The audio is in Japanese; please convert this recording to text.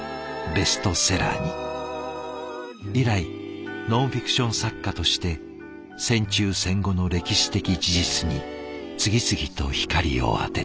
以来ノンフィクション作家として戦中戦後の歴史的事実に次々と光を当てた。